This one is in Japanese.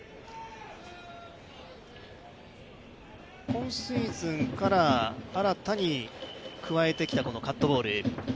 今シーズンから新たに加えてきたカットボール。